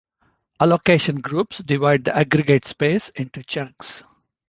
Allocation groups divide the aggregate space into chunks.